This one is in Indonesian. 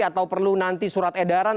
atau perlu nanti surat edaran